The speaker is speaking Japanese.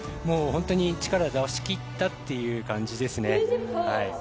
もう本当に力を出しきったという感じですね。